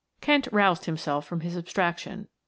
Kent roused himself from his abstraction.